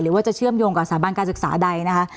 ว่าจะเชื่อมโยงกับสถาบันการศึกษาใดนะคะ